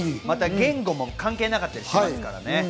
言語も関係なかったりしますからね。